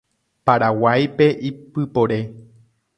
Paraguáipe ipypore.